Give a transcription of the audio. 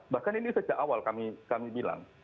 bahkan ini sejak awal kami bilang